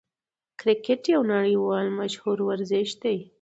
کرکټ یو نړۍوال مشهور ورزش دئ.